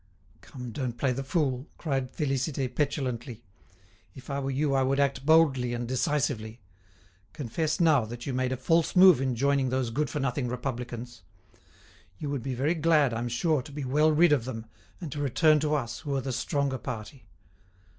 "Come, don't play the fool!" cried Félicité, petulantly. "If I were you I would act boldly and decisively. Confess now that you made a false move in joining those good for nothing Republicans. You would be very glad, I'm sure, to be well rid of them, and to return to us, who are the stronger party.